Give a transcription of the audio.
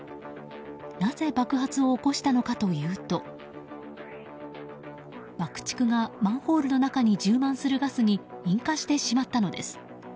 なぜ爆発を起こしたのかというと爆竹がマンホールの中に充満するガスに引火してしまったのです。